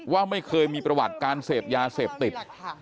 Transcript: ว่าไม่เคยมีประวัติการเสพยาเสพติด